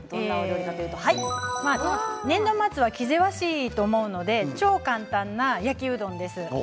年度末は気ぜわしいと思うので超簡単な焼きうどんです。